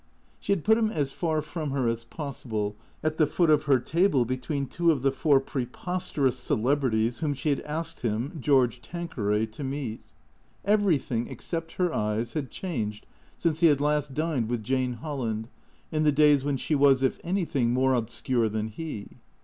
She had put him as far from her as possible, at the foot of her table between two of the four preposterous celebrities whom she had asked him, George Tanqueray, to meet. Everything, except her eyes, had changed since he had last dined with Jane Holland, in the days when she was, if anything, more obscure than he.